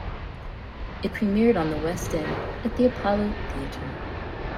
It premiered on the West End at the Apollo Theatre.